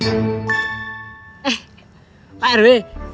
eh pak rw